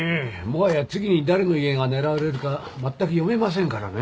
もはや次に誰の家が狙われるか全く読めませんからね。